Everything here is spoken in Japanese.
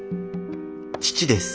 父です。